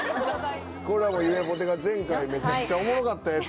これはもうゆめぽてが前回めちゃくちゃおもろかったやつ。